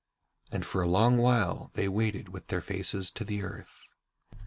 And for a long while they waited with their faces to the earth.